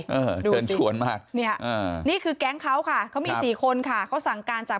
เออเชิญชวนมากเนี่ยอ่านี่คือแก๊งเขาค่ะเขามีสี่คนค่ะเขาสั่งการจาก